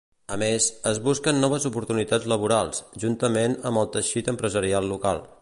A més, es busquen noves oportunitats laborals, juntament amb el teixit empresarial local.